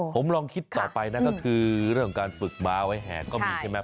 ผมลองคิดต่อไปนะก็คือเรื่องของการฝึกม้าไว้แห่ก็มีใช่ไหม